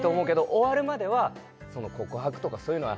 「終わるまではその告白とかそういうのは」